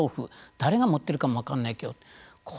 誰が持っているかも分からない恐怖